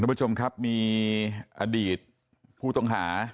หนุ่มผู้ชมครับมีอดีตผู้ตงหา